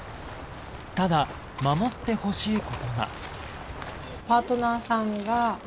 ただ守ってほしい事が。